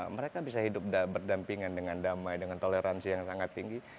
mereka bisa hidup berdampingan dengan damai dengan toleransi yang sangat tinggi